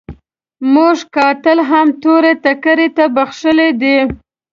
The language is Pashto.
موږ قاتل هم تور ټکري ته بخښلی دی.